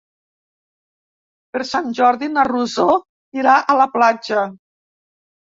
Per Sant Jordi na Rosó irà a la platja.